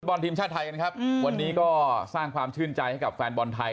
บอลทีมชาติไทยกันครับวันนี้ก็สร้างความชื่นใจให้กับแฟนบอลไทย